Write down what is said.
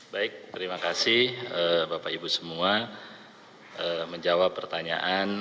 baik terima kasih bapak ibu semua menjawab pertanyaan